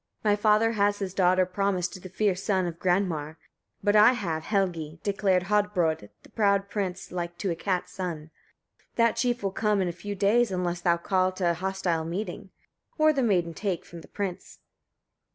18. My father has his daughter promised to the fierce son of Granmar; but I have, Helgi! declared Hodbrodd, the proud prince, like to a cat's son. 19. That chief will come in a few days, unless thou him call to a hostile meeting; or the maiden take from the prince."